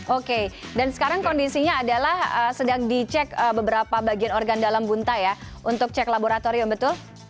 oke dan sekarang kondisinya adalah sedang dicek beberapa bagian organ dalam bunta ya untuk cek laboratorium betul